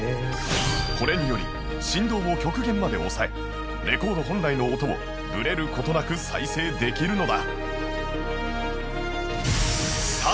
これにより振動を極限まで抑えレコード本来の音をブレる事なく再生できるのだ